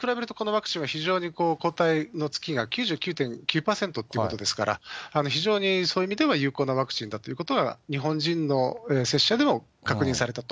それに比べると、このワクチンは抗体のつきが９９．９％っていうことですから、非常にそういう意味では有効なワクチンだということは日本人の接種者で確認されたと。